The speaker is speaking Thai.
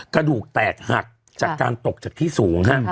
กระดูกแตกหักจากการตกจากที่สูงฮะ